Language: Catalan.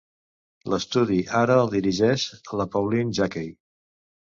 L'estudi ara el dirigeix la Pauline Jacquey.